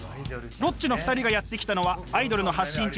ロッチの２人がやって来たのはアイドルの発信地